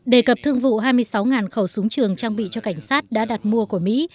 đề cập thương vụ hai mươi sáu khẩu súng trường trang bị cho cảnh sát đã đặt mua của mỹ